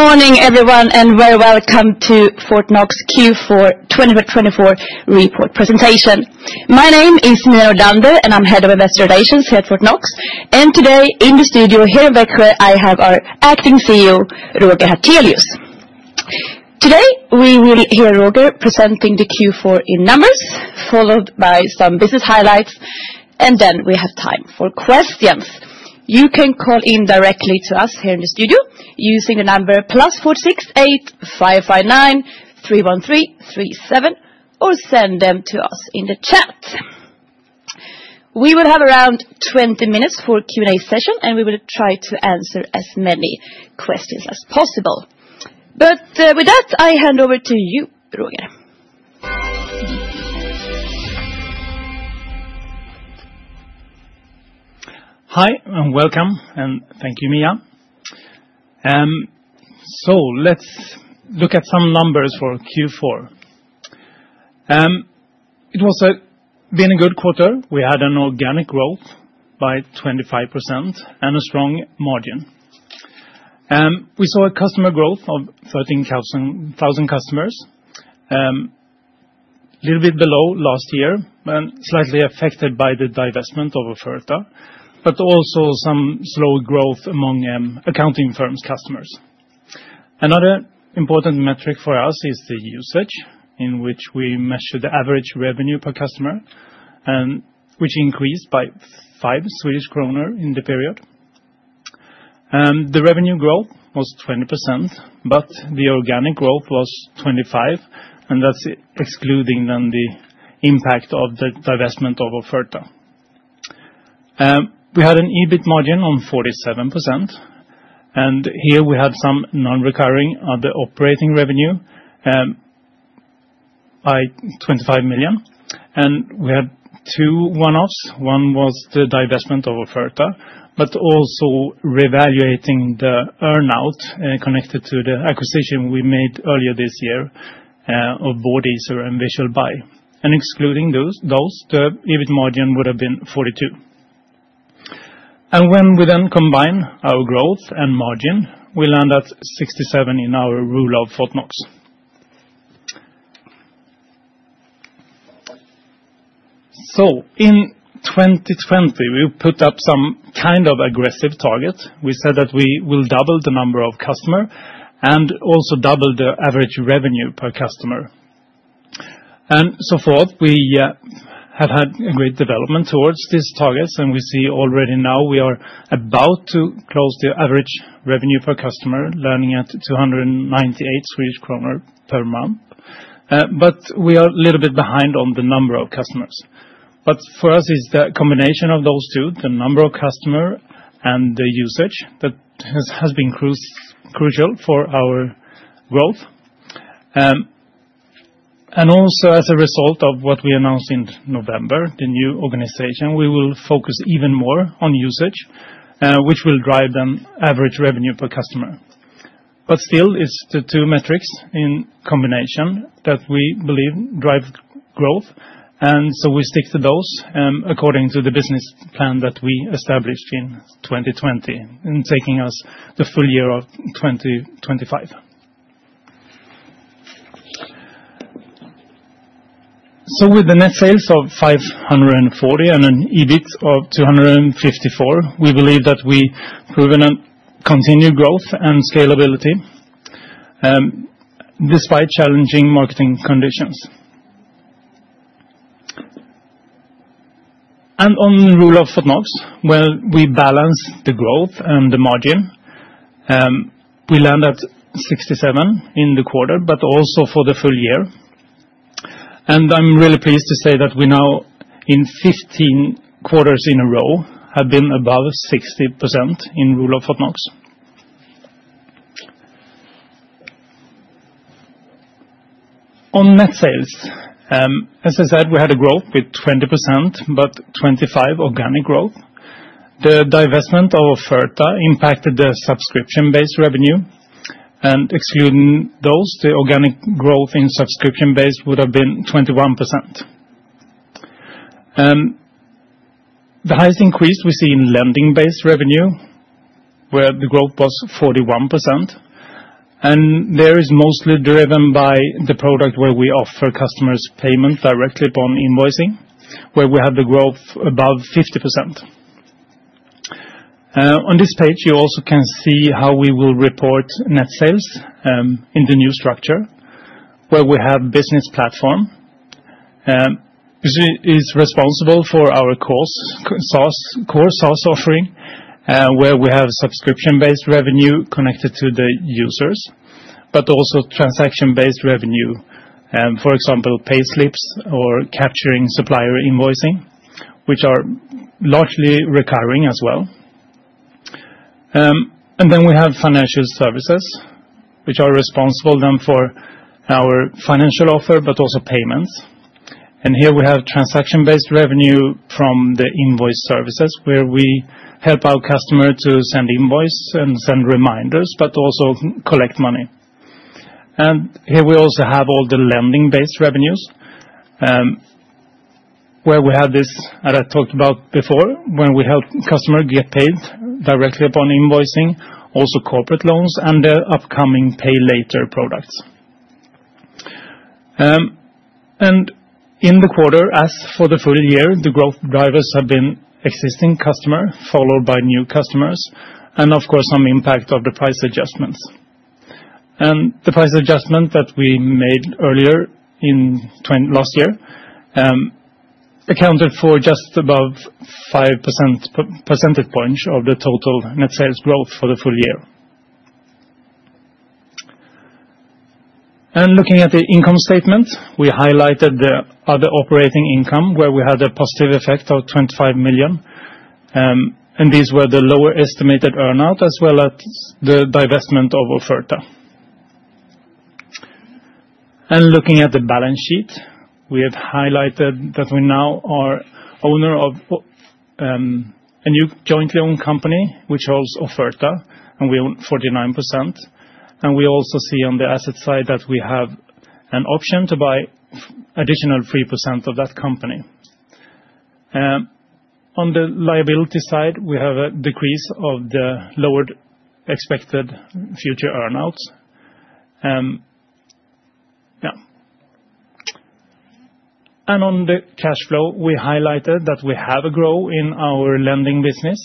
Good morning, everyone, and very welcome to Fortnox Q4 2024 report presentation. My name is Mia Nordlander, and I'm Head of Investor Relations here at Fortnox. Today in the studio here in Växjö, I have our Acting CEO, Roger Hartelius. Today we will hear Roger presenting the Q4 in numbers, followed by some business highlights, and then we have time for questions. You can call in directly to us here in the studio using the number +46 8559 31337 or send them to us in the chat. We will have around 20 minutes for a Q&A session, and we will try to answer as many questions as possible. But with that, I hand over to you, Roger. Hi, and welcome, and thank you, Mia. So let's look at some numbers for Q4. It was a good quarter. We had an organic growth by 25% and a strong margin. We saw a customer growth of 13,000 customers, a little bit below last year, and slightly affected by the divestment of Offerta, but also some slow growth among accounting firms' customers. Another important metric for us is the usage, in which we measure the average revenue per customer, which increased by 5 Swedish kronor in the period. The revenue growth was 20%, but the organic growth was 25%, and that's excluding then the impact of the divestment of Offerta. We had an EBIT margin of 47%, and here we had some non-recurring other operating revenue by 25 million SEK. And we had two one-offs. One was the divestment of Offerta, but also reevaluating the earnout connected to the acquisition we made earlier this year of Boardeaser and VisualBy. Excluding those, the EBIT margin would have been 42%. When we then combine our growth and margin, we land at 67% in our Rule of Fortnox. In 2020, we put up some kind of aggressive target. We said that we will double the number of customers and also double the average revenue per customer. So far, we have had a great development towards these targets, and we see already now we are about to close the average revenue per customer, landing at 298 Swedish kronor per month. We are a little bit behind on the number of customers. But for us, it's the combination of those two, the number of customers and the usage that has been crucial for our growth. And also, as a result of what we announced in November, the new organization, we will focus even more on usage, which will drive the average revenue per customer. But still, it's the two metrics in combination that we believe drive growth, and so we stick to those according to the business plan that we established in 2020 and taking us the full year of 2025. So with the Net Sales of 540 and an EBIT of 254, we believe that we've proven a continued growth and scalability despite challenging marketing conditions. And on the Rule of Fortnox, when we balance the growth and the margin, we land at 67 in the quarter, but also for the full year. I'm really pleased to say that we now, in 15 quarters in a row, have been above 60% in the Rule of Fortnox. On net sales, as I said, we had a growth with 20%, but 25% organic growth. The divestment of Offerta impacted the subscription-based revenue, and excluding those, the organic growth in subscription-based would have been 21%. The highest increase we see in lending-based revenue, where the growth was 41%, and there is mostly driven by the product where we offer customers payment directly upon invoicing, where we have the growth above 50%. On this page, you also can see how we will report net sales in the new structure, where we have a business platform. It's responsible for our core SaaS offering, where we have subscription-based revenue connected to the users, but also transaction-based revenue, for example, payslips or capturing supplier invoicing, which are largely recurring as well, and then we have financial services, which are responsible then for our financial offer, but also payments, and here we have transaction-based revenue from the invoice services, where we help our customer to send invoices and send reminders, but also collect money, and here we also have all the lending-based revenues, where we have this, as I talked about before, when we help customers get paid directly upon invoicing, also corporate loans and the upcoming Pay Later products, and in the quarter, as for the full year, the growth drivers have been existing customers, followed by new customers, and of course, some impact of the price adjustments. The price adjustment that we made earlier last year accounted for just above 5 percentage points of the total net sales growth for the full year. Looking at the income statement, we highlighted the other operating income, where we had a positive effect of 25 million. These were the lower estimated earnout as well as the divestment of Offerta. Looking at the balance sheet, we have highlighted that we now are the owner of a new jointly owned company, which holds Offerta, and we own 49%. We also see on the asset side that we have an option to buy additional 3% of that company. On the liability side, we have a decrease of the lowered expected future earnouts. Yeah. On the cash flow, we highlighted that we have a growth in our lending business,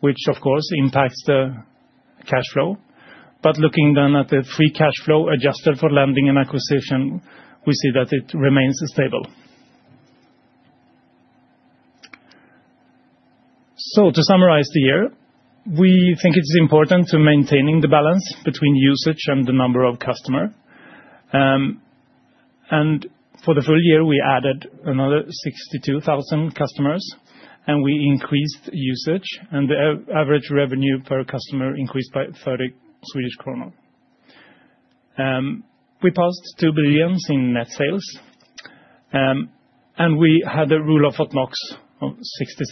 which, of course, impacts the cash flow. Looking then at the free cash flow adjusted for lending and acquisition, we see that it remains stable. To summarize the year, we think it's important to maintain the balance between usage and the number of customers. For the full year, we added another 62,000 customers, and we increased usage, and the average revenue per customer increased by 30 Swedish kronor. We passed 2 billion in Net Sales, and we had a Rule of Fortnox of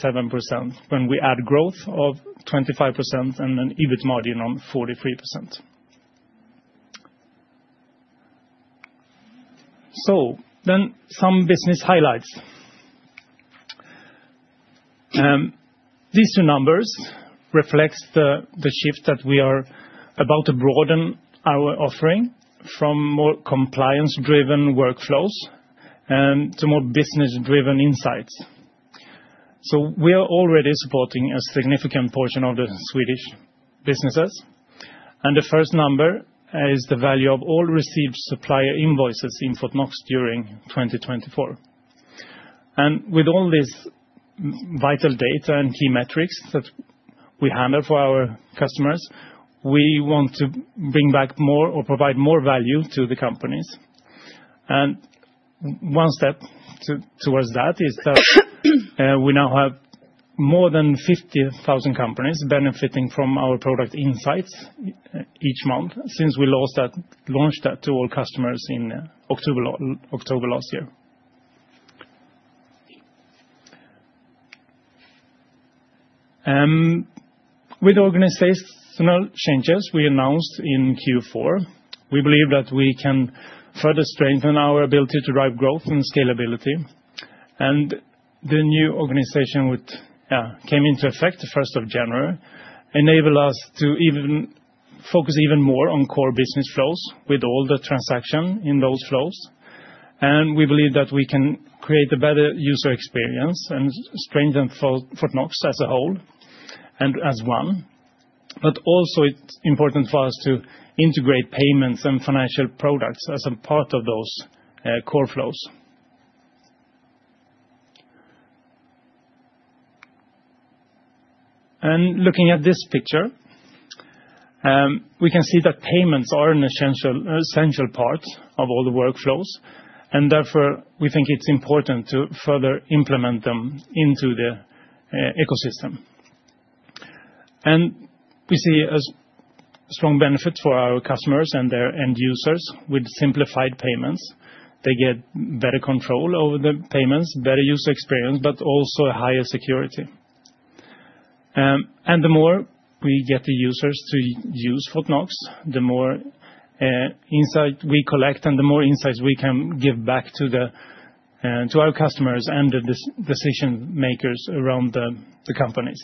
67% when we add growth of 25% and an EBIT Margin of 43%. Then some business highlights. These two numbers reflect the shift that we are about to broaden our offering from more compliance-driven workflows to more business-driven insights. We are already supporting a significant portion of the Swedish businesses. The first number is the value of all received supplier invoices in Fortnox during 2024. And with all this vital data and key metrics that we handle for our customers, we want to bring back more or provide more value to the companies. And one step towards that is that we now have more than 50,000 companies benefiting from our product Insights each month since we launched that to all customers in October last year. With organizational changes we announced in Q4, we believe that we can further strengthen our ability to drive growth and scalability. And the new organization came into effect the 1st of January, enabling us to focus even more on core business flows with all the transactions in those flows. And we believe that we can create a better user experience and strengthen Fortnox as a whole and as one. But also, it's important for us to integrate payments and financial products as a part of those core flows. Looking at this picture, we can see that payments are an essential part of all the workflows, and therefore, we think it's important to further implement them into the ecosystem. We see a strong benefit for our customers and their end users with simplified payments. They get better control over the payments, better user experience, but also higher security. The more we get the users to use Fortnox, the more insights we collect, and the more insights we can give back to our customers and the decision-makers around the companies.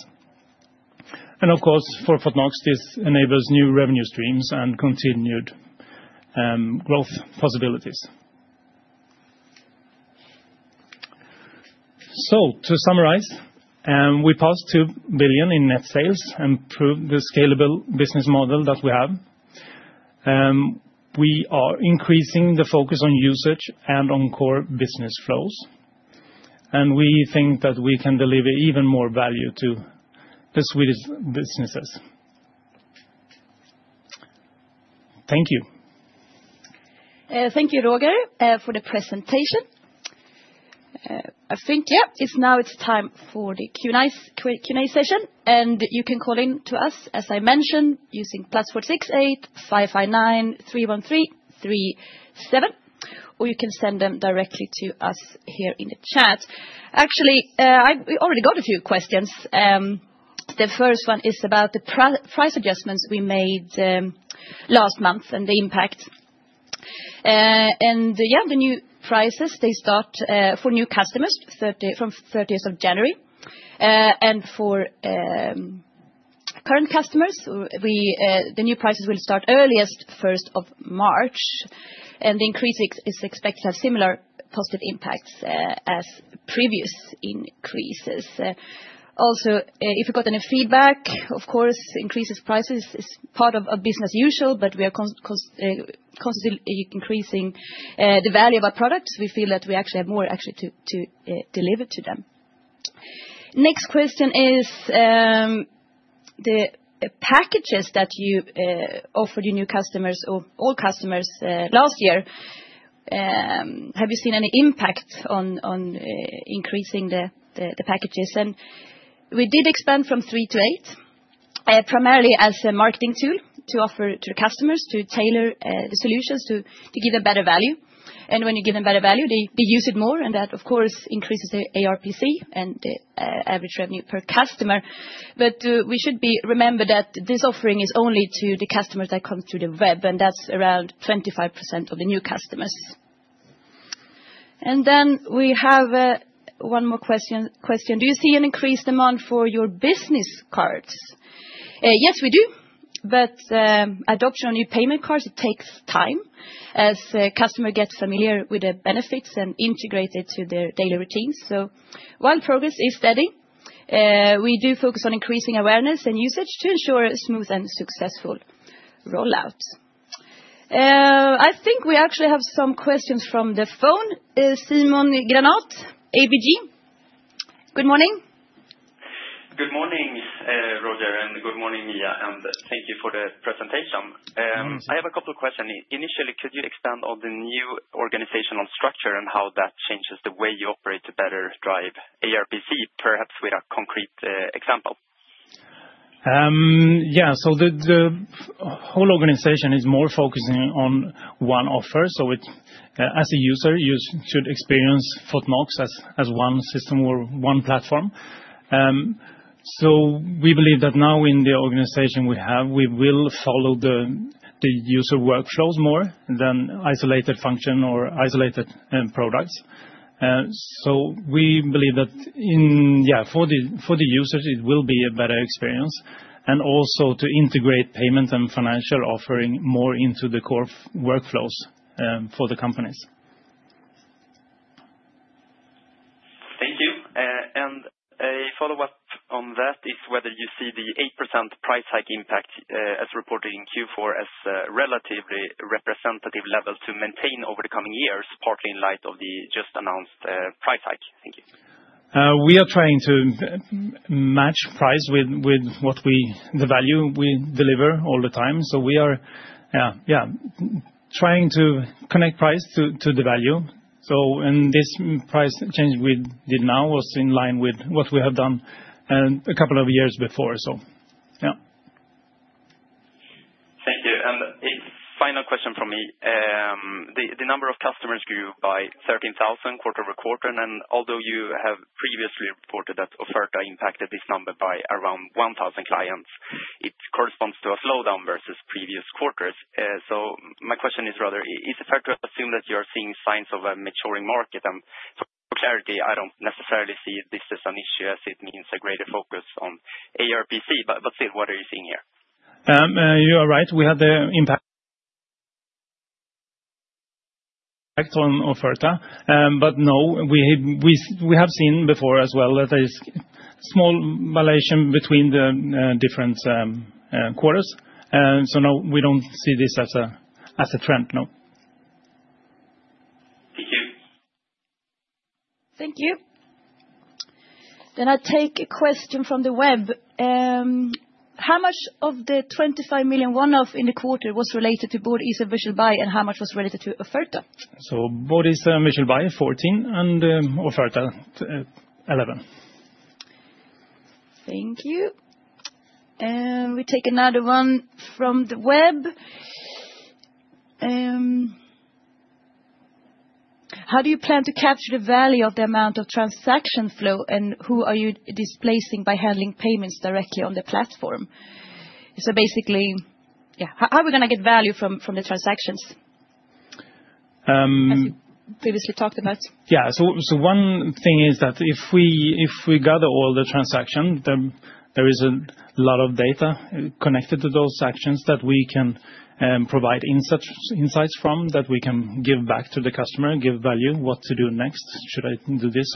Of course, for Fortnox, this enables new revenue streams and continued growth possibilities. To summarize, we passed 2 billion in net sales and proved the scalable business model that we have. We are increasing the focus on usage and on core business flows, and we think that we can deliver even more value to the Swedish businesses. Thank you. Thank you, Roger, for the presentation. I think, yeah, now it's time for the Q&A session, and you can call in to us, as I mentioned, using +46 8559 31337, or you can send them directly to us here in the chat. Actually, we already got a few questions. The first one is about the price adjustments we made last month and the impact, and yeah, the new prices, they start for new customers from 30th of January, and for current customers, the new prices will start earliest 1st of March, and the increase is expected to have similar positive impacts as previous increases. Also, if you've got any feedback, of course, increasing prices is part of business as usual, but we are constantly increasing the value of our products. We feel that we actually have more to deliver to them. Next question is the packages that you offered your new customers or all customers last year. Have you seen any impact on increasing the packages? And we did expand from three to eight, primarily as a marketing tool to offer to the customers to tailor the solutions to give them better value. And when you give them better value, they use it more, and that, of course, increases the ARPC and the average revenue per customer. But we should remember that this offering is only to the customers that come through the web, and that's around 25% of the new customers. And then we have one more question. Do you see an increased demand for your business cards? Yes, we do. But adoption of new payment cards, it takes time as customers get familiar with the benefits and integrate it to their daily routines. While progress is steady, we do focus on increasing awareness and usage to ensure a smooth and successful rollout. I think we actually have some questions from the phone. Simon Granath, ABG. Good morning. Good morning, Roger, and good morning, Mia. Thank you for the presentation. I have a couple of questions. Initially, could you expand on the new organizational structure and how that changes the way you operate to better drive ARPC, perhaps with a concrete example? Yeah, so the whole organization is more focusing on one offer. So as a user, you should experience Fortnox as one system or one platform. So we believe that now in the organization we have, we will follow the user workflows more than isolated functions or isolated products. So we believe that, yeah, for the users, it will be a better experience and also to integrate payments and financial offering more into the core workflows for the companies. Thank you. And a follow-up on that is whether you see the 8% price hike impact as reported in Q4 as a relatively representative level to maintain over the coming years, partly in light of the just announced price hike? Thank you. We are trying to match price with the value we deliver all the time. So we are, yeah, trying to connect price to the value. So this price change we did now was in line with what we have done a couple of years before. So yeah. Thank you. And final question from me. The number of customers grew by 13,000 quarter-over-quarter. And although you have previously reported that Offerta impacted this number by around 1,000 clients, it corresponds to a slowdown versus previous quarters. So my question is rather, is it fair to assume that you are seeing signs of a maturing market? And for clarity, I don't necessarily see this as an issue as it means a greater focus on ARPC. But still, what are you seeing here? You are right. We had the impact on Offerta, but no, we have seen before as well that there is a small variation between the different quarters, so no, we don't see this as a trend. No. Thank you. Thank you. Then I take a question from the web. How much of the 25 million one-off in the quarter was related to Boardeaser, and how much was related to Offerta? So, Boardeaser and VisualBy, 14 million, and Offerta, 11 million. Thank you. And we take another one from the web. How do you plan to capture the value of the amount of transaction flow, and who are you displacing by handling payments directly on the platform? So basically, yeah, how are we going to get value from the transactions? As you previously talked about. Yeah, so one thing is that if we gather all the transactions, there is a lot of data connected to those actions that we can provide insights from that we can give back to the customer, give value, what to do next, should I do this.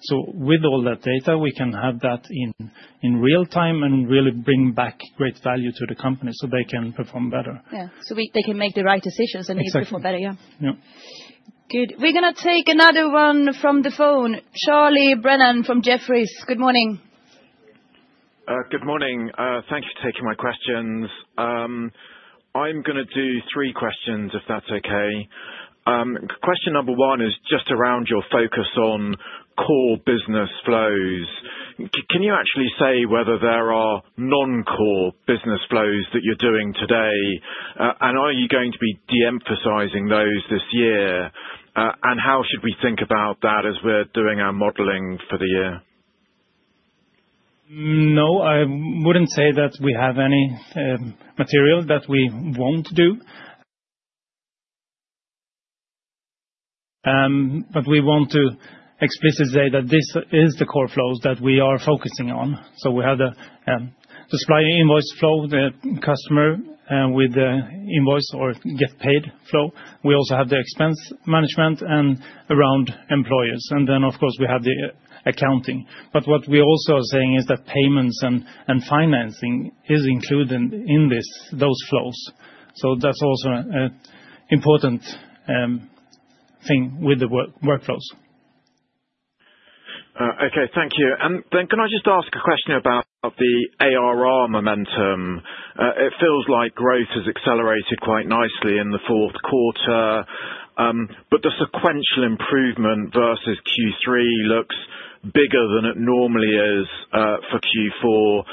So with all that data, we can have that in real time and really bring back great value to the company so they can perform better. Yeah, so they can make the right decisions and they perform better. Yeah. Exactly. Yeah. Good. We're going to take another one from the phone. Charlie Brennan from Jefferies. Good morning. Good morning. Thanks for taking my questions. I'm going to do three questions, if that's okay. Question number one is just around your focus on core business flows. Can you actually say whether there are non-core business flows that you're doing today, and are you going to be de-emphasizing those this year, and how should we think about that as we're doing our modeling for the year? No, I wouldn't say that we have any material that we won't do. But we want to explicitly say that this is the core flows that we are focusing on. So we have the supply invoice flow, the customer with the invoice or get paid flow. We also have the expense management and around employers. And then, of course, we have the accounting. But what we also are saying is that payments and financing is included in those flows. So that's also an important thing with the workflows. Okay, thank you. And then can I just ask a question about the ARR momentum? It feels like growth has accelerated quite nicely in the fourth quarter, but the sequential improvement versus Q3 looks bigger than it normally is for Q4.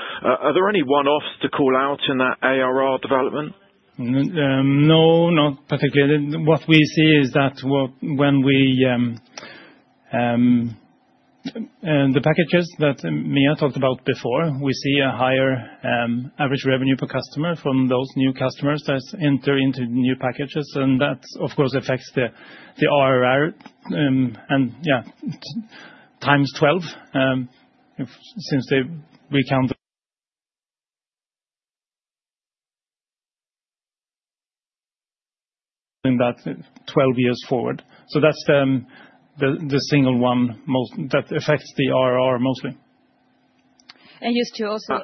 Are there any one-offs to call out in that ARR development? No, not particularly. What we see is that when we the packages that Mia talked about before, we see a higher average revenue per customer from those new customers that enter into new packages. And that, of course, affects the ARR and, yeah, times 12 since we count that 12 years forward. So that's the single one that affects the ARR mostly. Just to also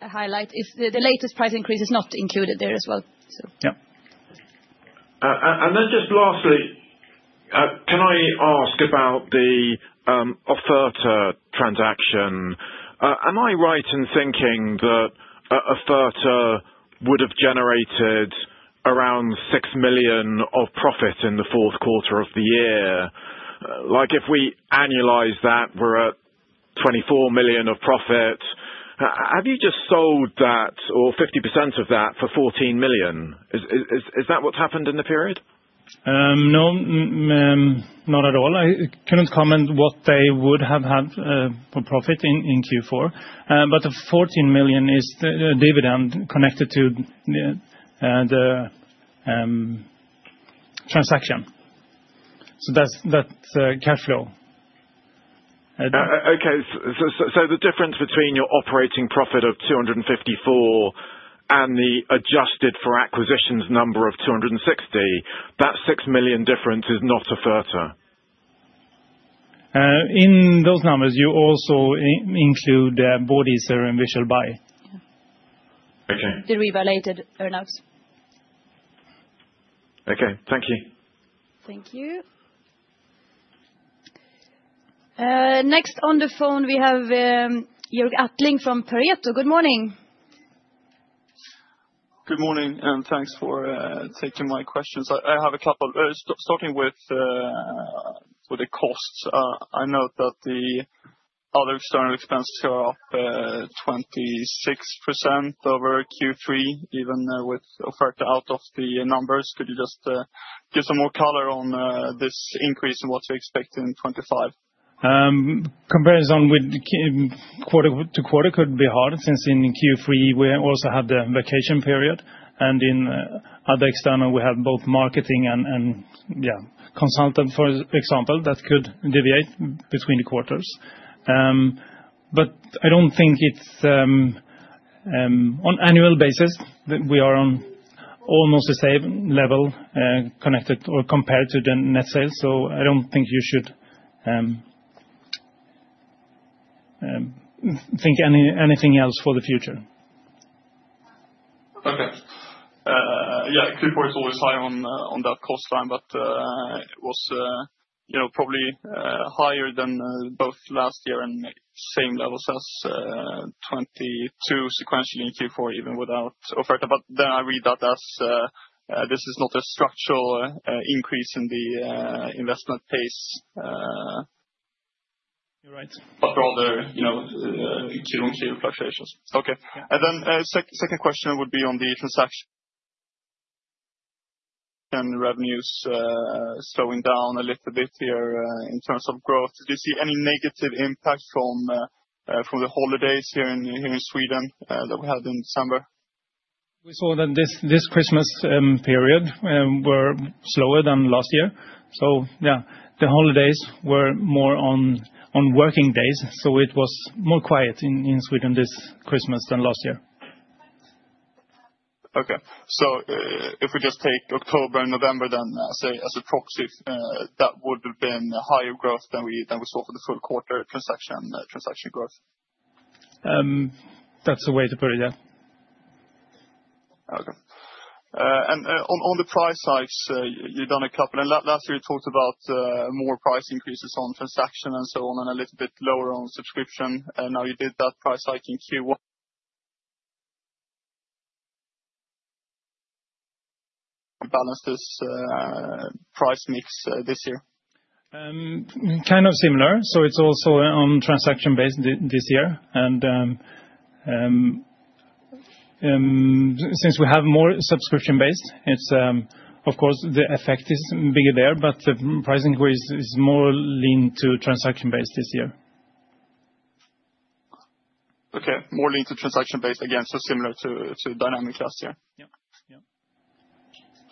highlight, the latest price increase is not included there as well. Yeah. And then just lastly, can I ask about the Offerta transaction? Am I right in thinking that Offerta would have generated around 6 million of profit in the fourth quarter of the year? Like if we annualize that, we're at 24 million of profit. Have you just sold that or 50% of that for 14 million? Is that what's happened in the period? No, not at all. I couldn't comment what they would have had for profit in Q4. But the 14 million is the dividend connected to the transaction. So that's the cash flow. Okay. So the difference between your operating profit of 254 and the adjusted for acquisitions number of 260, that 6 million difference is not Offerta? In those numbers, you also include Boardeaser, Växjö. Okay. The reevaluated earnings. Okay. Thank you. Thank you. Next on the phone, we have Hjalmar Ahlberg from Pareto. Good morning. Good morning, and thanks for taking my questions. I have a couple of starting with the costs. I know that the other external expenses are up 26% over Q3, even with Offerta out of the numbers. Could you just give some more color on this increase and what to expect in 2025? Comparison with quarter to quarter could be hard since in Q3, we also had the vacation period. And in other external, we have both marketing and, yeah, consultant, for example, that could deviate between the quarters. But I don't think it's on an annual basis, we are on almost the same level connected or compared to the net sales. So I don't think you should think anything else for the future. Okay. Yeah, Q4 is always high on that cost line, but it was probably higher than both last year and same levels as 2022 sequentially in Q4, even without Offerta. But then I read that as this is not a structural increase in the investment pace. You're right. But rather Q2 and Q3 fluctuations. Okay. And then second question would be on the transaction and revenues slowing down a little bit here in terms of growth. Do you see any negative impact from the holidays here in Sweden that we had in December? We saw that this Christmas period were slower than last year. So yeah, the holidays were more on working days. So it was more quiet in Sweden this Christmas than last year. Okay. So if we just take October and November, then say as a proxy, that would have been higher growth than we saw for the full quarter transaction growth. That's a way to put it, yeah. Okay. And on the price hikes, you've done a couple. And last year, you talked about more price increases on transaction and so on and a little bit lower on subscription. And now you did that price hike in Q1. Balance this price mix this year? Kind of similar. So it's also on transaction-based this year. And since we have more subscription-based, of course, the effect is bigger there, but the price increase is more lean to transaction-based this year. Okay. More lean to transaction-based again, so similar to dynamic last year. Yeah. Yeah.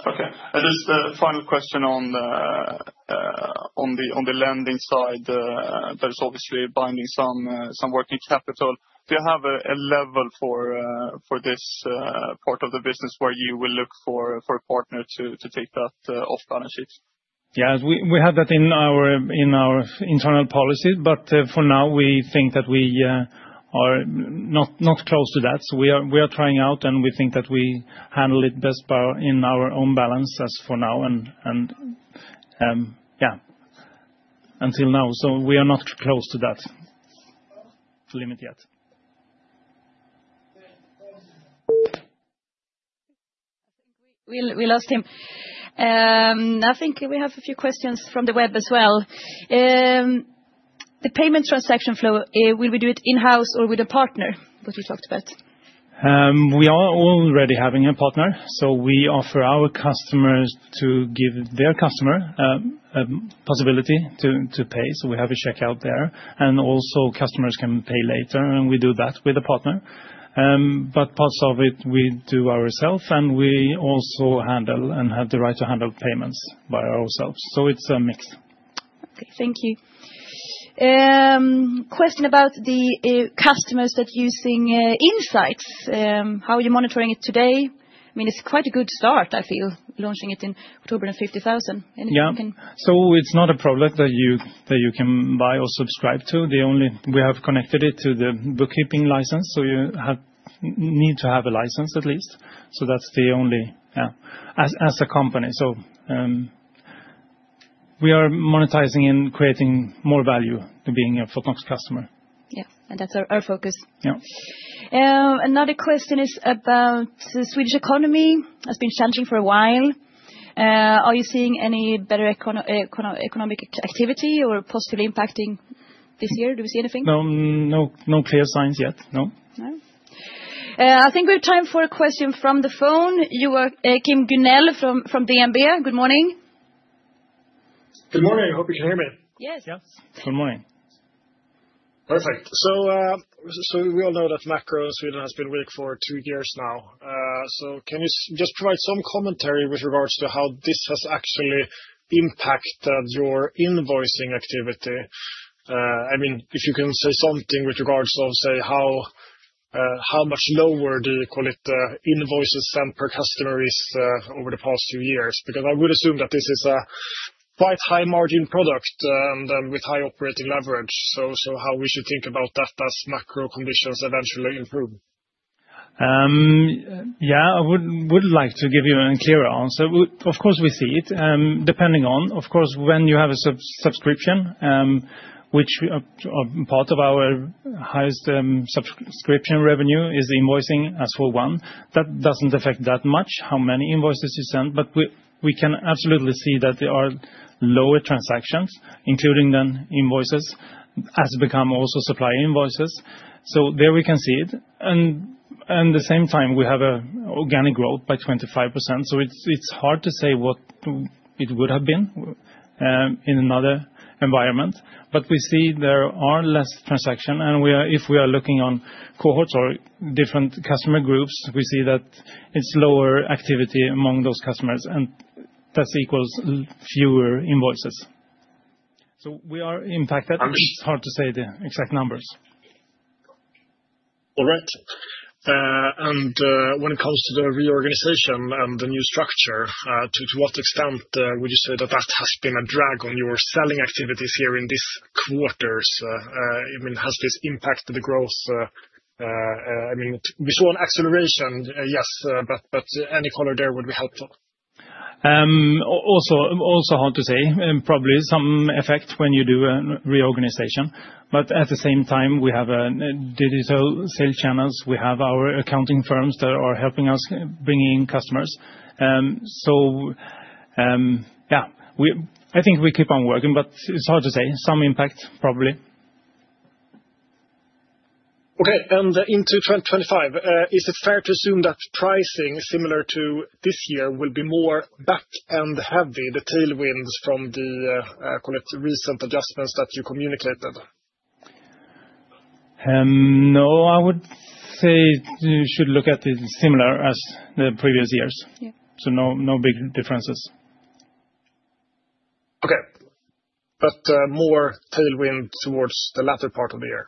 Okay, and just the final question on the lending side. There's obviously tying up some working capital. Do you have a level for this part of the business where you will look for a partner to take that off balance sheet? Yeah, we have that in our internal policy, but for now, we think that we are not close to that. So we are trying out, and we think that we handle it best in our own balance as for now, and yeah, until now. So we are not close to that limit yet. We lost him. I think we have a few questions from the web as well. The payment transaction flow, will we do it in-house or with a partner, what you talked about? We are already having a partner, so we offer our customers to give their customer a possibility to pay, so we have a checkout there, and also customers can pay later, and we do that with a partner. But parts of it, we do ourselves, and we also handle and have the right to handle payments by ourselves, so it's a mix. Okay. Thank you. Question about the customers that are using Insights. How are you monitoring it today? I mean, it's quite a good start, I feel, launching it in October and 50,000. Anything you can? Yeah. So it's not a product that you can buy or subscribe to. We have connected it to the bookkeeping license. So you need to have a license at least. So that's the only, yeah, as a company. So we are monetizing and creating more value to being a Fortnox customer. Yeah, and that's our focus. Yeah. Another question is about the Swedish economy. It's been challenging for a while. Are you seeing any better economic activity or positive impacting this year? Do we see anything? No. No clear signs yet. No. No. I think we have time for a question from the phone. Joachim Gunell from DNB. Good morning. Good morning. I hope you can hear me. Yes. Yeah. Good morning. Perfect. So we all know that macro in Sweden has been weak for two years now. So can you just provide some commentary with regards to how this has actually impacted your invoicing activity? I mean, if you can say something with regards to, say, how much lower the invoices sent per customer is over the past few years, because I would assume that this is a quite high-margin product and with high operating leverage. So how we should think about that as macro conditions eventually improve? Yeah, I would like to give you a clearer answer. Of course, we see it. Depending on, of course, when you have a subscription, which part of our highest subscription revenue is invoicing as for one. That doesn't affect that much, how many invoices you send, but we can absolutely see that there are lower transactions, including then invoices, as become also supply invoices. So there we can see it, and at the same time, we have an organic growth by 25%. So it's hard to say what it would have been in another environment, but we see there are less transactions. And if we are looking on cohorts or different customer groups, we see that it's lower activity among those customers, and that equals fewer invoices. So we are impacted. It's hard to say the exact numbers. All right. And when it comes to the reorganization and the new structure, to what extent would you say that that has been a drag on your selling activities here in this quarter? I mean, has this impacted the growth? I mean, we saw an acceleration, yes, but any color there would be helpful. Also hard to say. Probably some effect when you do a reorganization. But at the same time, we have digital sales channels. We have our accounting firms that are helping us bring in customers. So yeah, I think we keep on working, but it's hard to say. Some impact, probably. Okay, and into 2025, is it fair to assume that pricing similar to this year will be more back-end heavy, the tailwinds from the recent adjustments that you communicated? No, I would say you should look at it similar as the previous years. So no big differences. Okay. But more tailwind towards the latter part of the year?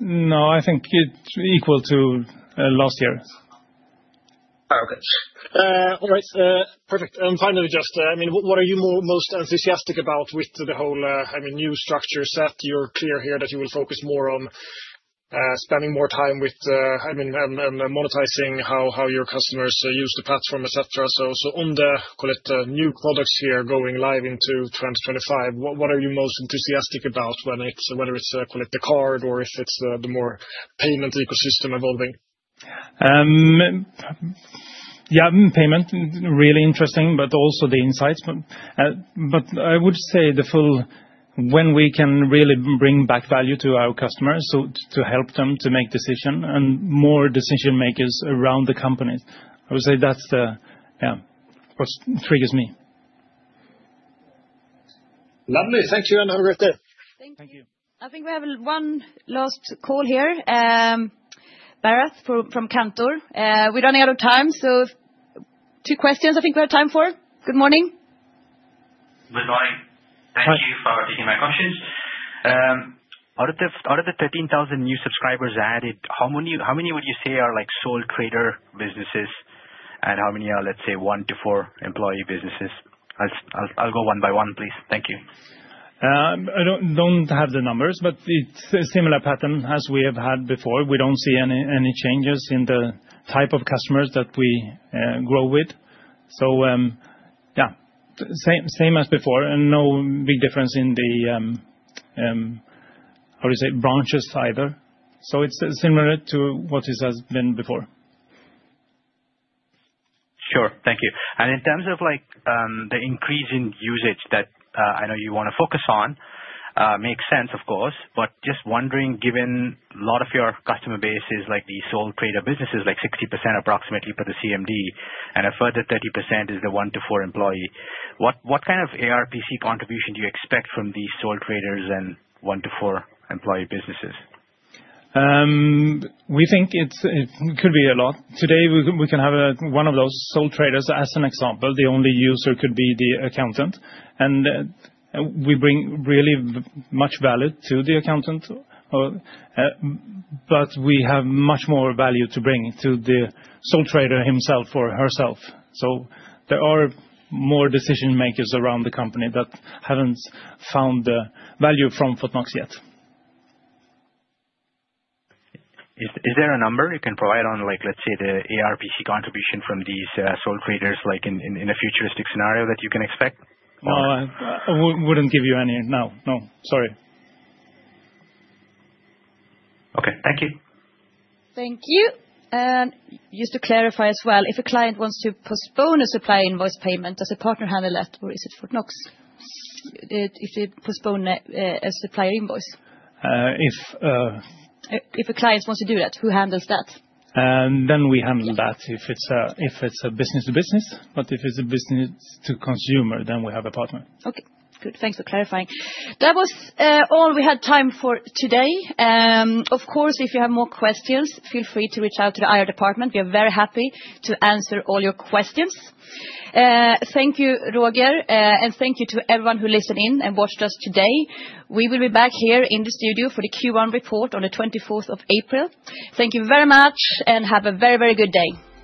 No, I think it's equal to last year. Okay. All right. Perfect. And finally, just, I mean, what are you most enthusiastic about with the whole new structure set? You're clear here that you will focus more on spending more time with, I mean, and monetizing how your customers use the platform, etc. So on the new products here going live into 2025, what are you most enthusiastic about, whether it's the card or if it's the more payment ecosystem evolving? Yeah, payment, really interesting, but also the insights. But I would say the full when we can really bring back value to our customers to help them to make decisions and more decision-makers around the company. I would say that's the, yeah, what triggers me. Lovely. Thank you, Mia and Roger. Thank you. I think we have one last call here. Bharath from Cantor. We run out of time, so two questions I think we have time for. Good morning. Good morning. Thank you for taking my questions. Out of the 13,000 new subscribers added, how many would you say are like sole trader businesses and how many are, let's say, one to four employee businesses? I'll go one by one, please. Thank you. I don't have the numbers, but it's a similar pattern as we have had before. We don't see any changes in the type of customers that we grow with, so yeah, same as before, and no big difference in the, how do you say, branches either, so it's similar to what it has been before. Sure. Thank you. And in terms of the increasing usage that I know you want to focus on, makes sense, of course, but just wondering, given a lot of your customer base is like the sole trader businesses, like 60% approximately for the CMD, and a further 30% is the one to four employee, what kind of ARPC contribution do you expect from these sole traders and one to four employee businesses? We think it could be a lot. Today, we can have one of those sole traders as an example. The only user could be the accountant, and we bring really much value to the accountant, but we have much more value to bring to the sole trader himself or herself, so there are more decision-makers around the company that haven't found the value from Fortnox yet. Is there a number you can provide on, let's say, the ARPC contribution from these sole traders, like in a futuristic scenario that you can expect? No, I wouldn't give you any now. No. Sorry. Okay. Thank you. Thank you. And just to clarify as well, if a client wants to postpone a supply invoice payment, does a partner handle that, or is it Fortnox? If they postpone a supplier invoice? If? If a client wants to do that, who handles that? Then we handle that. If it's a business-to-business, but if it's a business-to-consumer, then we have a partner. Okay. Good. Thanks for clarifying. That was all we had time for today. Of course, if you have more questions, feel free to reach out to the IR department. We are very happy to answer all your questions. Thank you, Roger. And thank you to everyone who listened in and watched us today. We will be back here in the studio for the Q1 report on the 24th of April. Thank you very much and have a very, very good day.